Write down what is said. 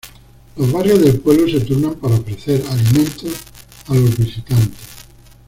Los barrios del pueblo se turnan para ofrecer alimentos a los visitantes.